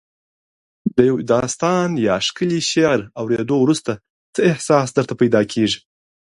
د یو داستان یا ښکلي شعر اوریدو وروسته څه احساس درته پیدا کیږي؟